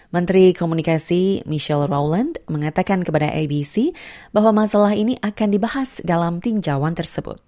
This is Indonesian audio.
menteri komunikasi michelle roland mengatakan kepada abc bahwa masalah ini akan dibahas dalam tinjauan tersebut